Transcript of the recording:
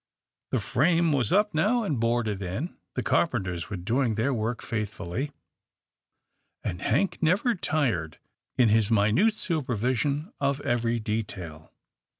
The frame was up now, and boarded in. The carpenters were doing their work faithfully, and Hank never tired in his minute supervision of every detail.